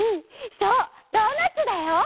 そうドーナツだよ！